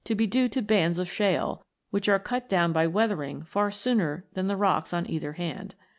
iv be due to bands of shale, which are cut down by weathering far sooner than the rocks on either hand.